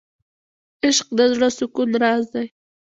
عشق د زړه د سکون راز دی.